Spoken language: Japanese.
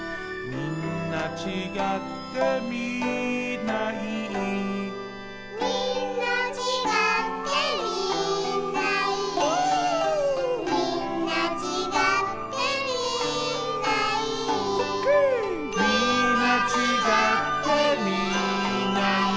「みんなちがってみんないい」